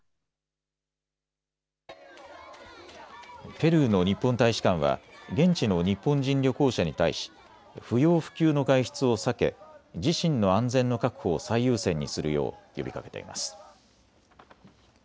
ペルーの日本大使館は現地の日本人旅行者に対し不要不急の外出を避け自身の安全の確保を最優先にするよう呼びかけています。